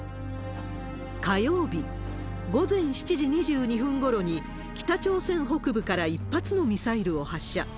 火曜日午前７時２２分ごろに、北朝鮮北部から１発のミサイルを発射。